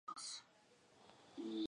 Mujer y Madre.